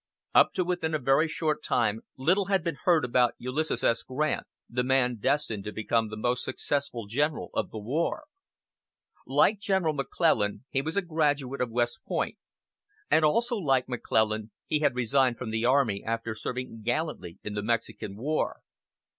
Up to within a very short time little had been heard about Ulysses S. Grant, the man destined to become the most successful general of the war. Like General McClellan, he was a graduate of West Point; and also like McClellan, he had resigned from the army after serving gallantly in the Mexican war.